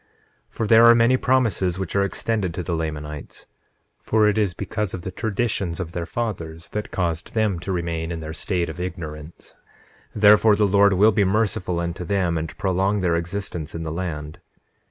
9:16 For there are many promises which are extended to the Lamanites; for it is because of the traditions of their fathers that caused them to remain in their state of ignorance; therefore the Lord will be merciful unto them and prolong their existence in the land.